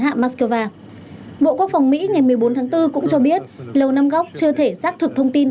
hạ moscow bộ quốc phòng mỹ ngày một mươi bốn tháng bốn cũng cho biết lầu năm góc chưa thể xác thực thông tin